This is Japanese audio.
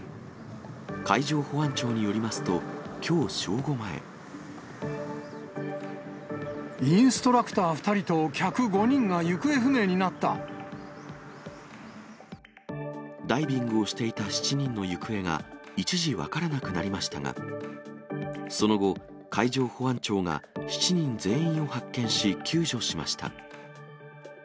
海上保安庁によりますと、インストラクター２人と客５ダイビングをしていた７人の行方が、一時分からなくなりましたが、その後、海上保安庁が７人全員を発見し、救助しました。